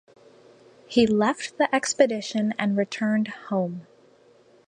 He left the expedition and returned home.